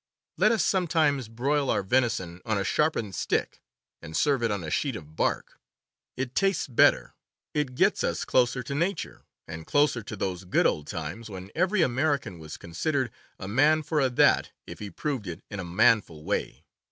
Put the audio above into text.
Let us some times broil our venison on a sharpened stick and serve it on a sheet of bark. It tastes better. It gets us closer to nature, and closer to those good old times when every American was considered "a man for a' that" if he proved it in a manful way.